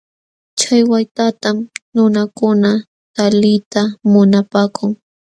Chay waytatam nunakunakaq taliyta munapaakun.